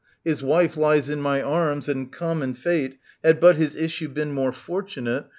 His wife lies in my arms, and common fate, Had but his issue been more fortunate.